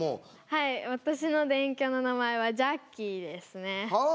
はい私の電キャの名前はジャッキーですね。